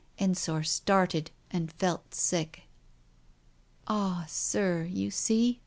... Ensor started, and felt sick. "Ah, Sir, you see